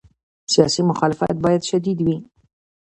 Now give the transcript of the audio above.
سیاسي مخالفت باید شدید وي.